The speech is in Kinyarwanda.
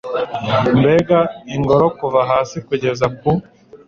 mbega ingoro, kuva hasi kugeza ku